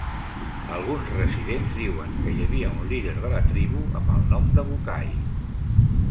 Alguns residents diuen que hi havia un líder de la tribu amb el nom de Bucay.